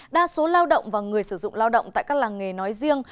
đa số lao động và người sử dụng lao động tại các làng nghề nói riêng